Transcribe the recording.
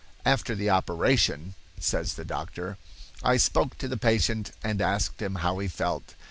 "After the operation," says the doctor, "I spoke to the patient and asked him how he felt.